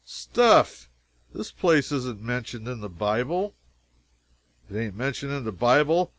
"Stuff this place isn't mentioned in the Bible." "It ain't mentioned in the Bible!